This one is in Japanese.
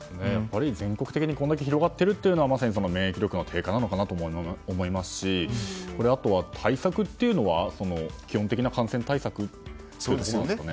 全国的にこれだけ広がっているのはまさに免疫力の低下なのかなと思いますしあとは、対策というのは基本的な感染対策なんでしょうか。